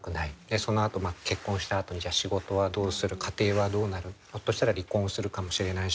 そのあと結婚したあとに仕事はどうする家庭はどうなるひょっとしたら離婚するかもしれないし。